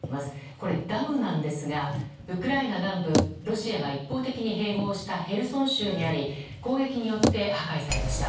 これ、ダムなんですがウクライナ南部ロシアが一方的に併合したヘルソン州にあり攻撃によって破壊されました。